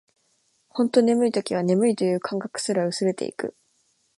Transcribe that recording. ほんと眠い時は、眠いという感覚すら薄れていく